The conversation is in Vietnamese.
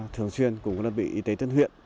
thường xuyên cùng đơn vị y tế tân huyện